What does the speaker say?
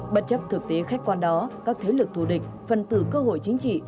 bất chấp thực tế khách quan đó các thế lực thù địch phân tử cơ hội chính trị